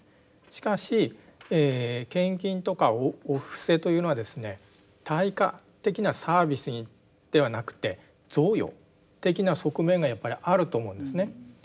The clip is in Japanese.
しかし献金とかお布施というのはですね対価的なサービスにではなくて贈与的な側面がやっぱりあると思うんですね。